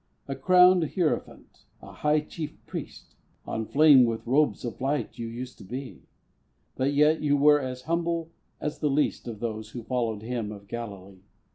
A crowned hierophant a high Chief Priest On flame with robes of light, you used to be; But yet you were as humble as the least Of those who followed Him of Galilee.